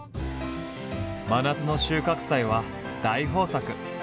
真夏の収穫祭は大豊作！